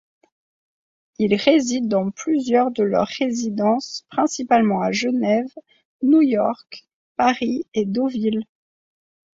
Ils résident dans plusieurs de leurs résidences, principalement à Genève, New-York, Paris et Deauville.